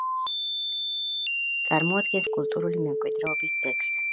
წარმოადგენს ადგილობრივი მნიშვნელობის კულტურული მემკვიდრეობის ძეგლს.